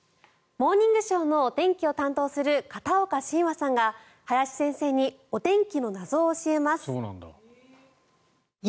「モーニングショー」のお天気キャスターの片岡信和さんが林先生にお天気の謎を教えます。